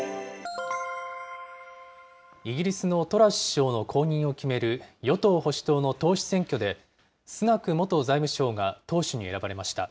イギリスのトラス首相の後任を決める与党・保守党の党首選挙で、スナク元財務相が党首に選ばれました。